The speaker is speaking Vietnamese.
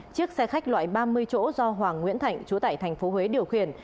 chiếc xe khách loại ba mươi chỗ do hoàng nguyễn thạnh chủ tải tp huế điều khiển